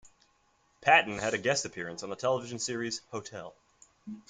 Patton had a guest appearance on the television series "Hotel".